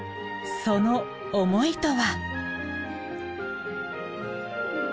その思いとは。